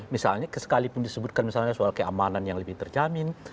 misalnya sekalipun disebutkan misalnya soal keamanan yang lebih terjamin